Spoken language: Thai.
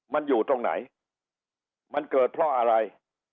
มันอยู่ตรงไหนมันเกิดเพราะอะไร